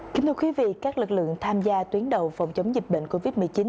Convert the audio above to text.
kính thưa quý vị các lực lượng tham gia tuyến đầu phòng chống dịch bệnh covid một mươi chín